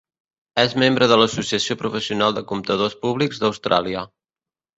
És membre de l'Associació Professional de Comptadors Públics d'Austràlia.